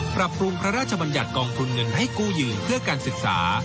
ปรับปรุงพระราชบัญญัติกองทุนเงินให้กู้ยืมเพื่อการศึกษา